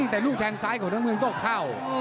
แต่ลูกแดงซ้ายของเมื่องก็เข้า